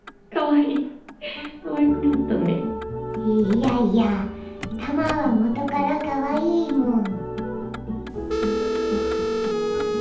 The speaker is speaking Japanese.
いやいやたまは元からかわいいもん！